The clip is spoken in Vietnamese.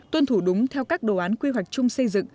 tuân thủ đúng theo các đồ án quy hoạch chung xây dựng